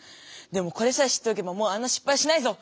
でもこれさえ知っておけばもうあんなしっぱいしないぞ！